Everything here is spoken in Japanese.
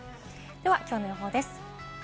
きょうの予報です。